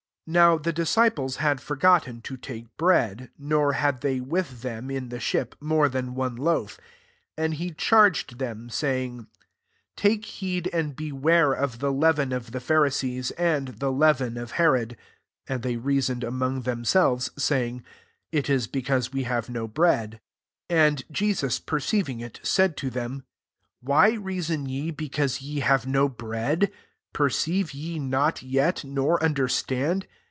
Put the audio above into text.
I 14 NOW the diaci/ilea had forgotten to take bread ; no^ had they with them, in the ship, more than one loaf. 15 And he charged them saying, *' Take heed and beware of the leavei^ of the Pharisees, and the lea ven of Herod." 16 And they rea soned among themselves, say ing, ''// is because we have no bread." 17 And Jesus perceiving it, said to them, •* Why reason je because ye have no bread ? per ceive ye not yet, nor understand?